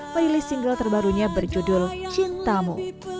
merilis single terbarunya berjudul cintamu